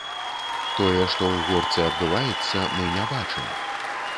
Тое, што ў горцы адбываецца, мы не бачым.